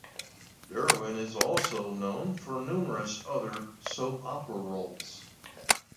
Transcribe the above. Derwin is also known for numerous other soap opera roles.